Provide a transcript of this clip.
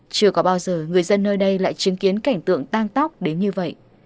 chưa có bao giờ người dân nơi đây lại chứng kiến cảnh tượng tang tóc đến như vậy